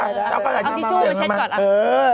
เอาทิชชูมาเช็ดก่อน